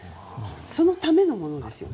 そのためのものですね。